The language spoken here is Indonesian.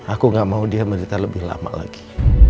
aku gak mau dia menderita lebih lama lagi